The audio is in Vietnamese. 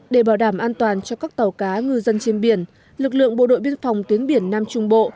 để bảo đảm an toàn cho các tàu cá ngư dân trên biển lực lượng bộ đội biên phòng tuyến biển nam trung bộ